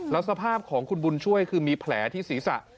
แล้วสภาพของคุณบุญช่วยคือมีแผลที่ศีรษะ